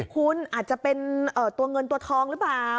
คุณอาจจะเป็นตัวเงินตัวทองหรือเปล่า